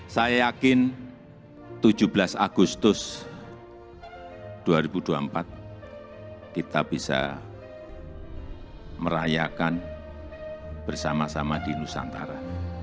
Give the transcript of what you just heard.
saya yakin tujuh belas agustus dua ribu dua puluh empat kita bisa merayakan bersama sama di nusantara